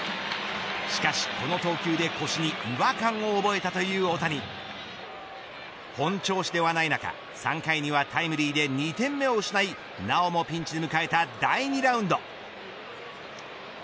しかしこの投球で腰に違和感を覚えたという大谷本調子ではない中３回にはタイムリーで２点目を失いなおもピンチで迎えた第２ラウンド。